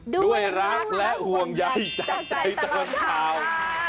ด้วยรักและห่วงใยจากใจตลอดข่าว